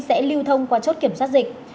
sẽ lưu thông qua chốt kiểm soát dịch